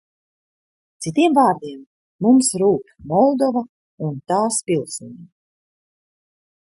Citiem vārdiem, mums rūp Moldova un tās pilsoņi.